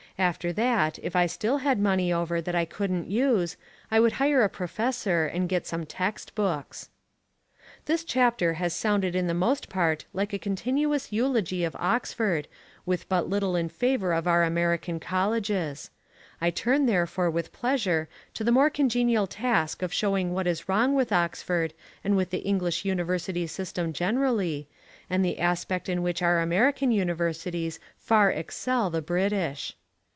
After that, if I still had money over that I couldn't use, I would hire a professor and get some text books. This chapter has sounded in the most part like a continuous eulogy of Oxford with but little in favour of our American colleges. I turn therefore with pleasure to the more congenial task of showing what is wrong with Oxford and with the English university system generally, and the aspect in which our American universities far excell the British.